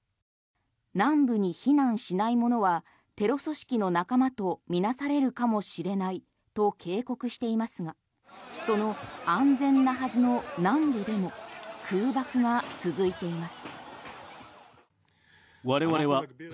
南部に避難しない者はテロ組織の仲間と見なされるかもしれないと警告していますがその安全なはずの南部でも空爆が続いています。